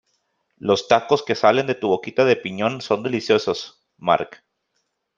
Los tacos que salen de tu boquita de piñón son deliciosos, Marc.